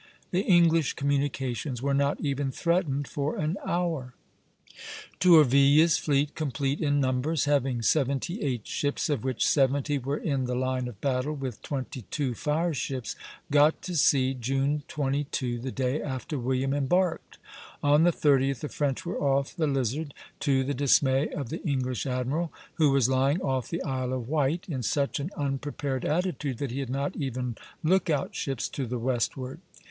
The English communications were not even threatened for an hour. Tourville's fleet, complete in numbers, having seventy eight ships, of which seventy were in the line of battle, with twenty two fire ships, got to sea June 22, the day after William embarked. On the 30th the French were off the Lizard, to the dismay of the English admiral, who was lying off the Isle of Wight in such an unprepared attitude that he had not even lookout ships to the westward.